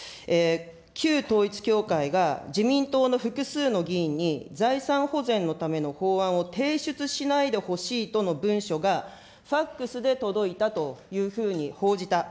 旧統一教会が、自民党の複数の議員に財産保全のための法案を提出しないでほしいとの文書が、ファックスで届いたというふうに報じた。